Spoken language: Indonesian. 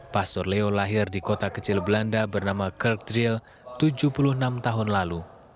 pastor leo lahir di kota kecil belanda bernama kerkdriel tujuh puluh enam tahun lalu